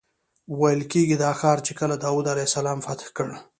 ویل کېږي دا ښار چې کله داود علیه السلام فتح کړ.